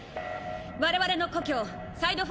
我々の故郷サイド４